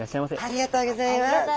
ありがとうございます。